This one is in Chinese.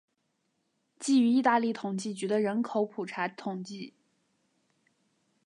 基于意大利统计局的人口普查统计。